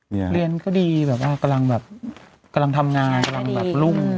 เรียนก็ดีแบบว่ากำลังแบบกำลังทำงานกำลังแบบรุ่ง